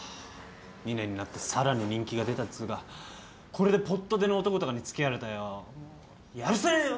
２年になってさらに人気が出たっつうかこれでぽっと出の男とかに付き合われたらよやるせねえよ。